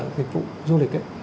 dịch vụ du lịch